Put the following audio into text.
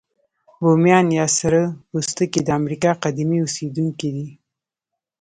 بومیان یا سره پوستکي د امریکا قديمي اوسیدونکي دي.